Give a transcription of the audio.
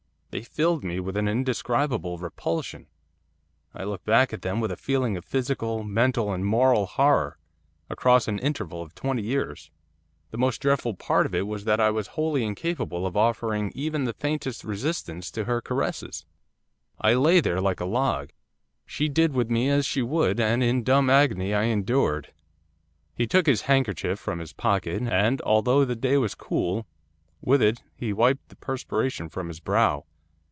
They filled me with an indescribable repulsion. I look back at them with a feeling of physical, mental, and moral horror, across an interval of twenty years. The most dreadful part of it was that I was wholly incapable of offering even the faintest resistance to her caresses. I lay there like a log. She did with me as she would, and in dumb agony I endured.' He took his handkerchief from his pocket, and, although the day was cool, with it he wiped the perspiration from his brow.